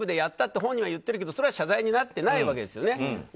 ＹｏｕＴｕｂｅで本人は言ってるけどそれは謝罪になってないわけですよね。